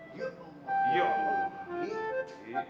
kalian pada ngapain